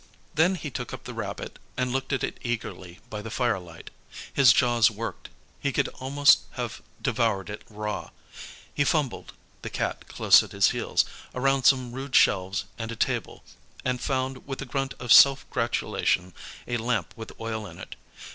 Then he took up the rabbit and looked at it eagerly by the firelight. His jaws worked. He could almost have devoured it raw. He fumbled the Cat close at his heels around some rude shelves and a table, and found, with a grunt of self gratulation, a lamp with oil in it.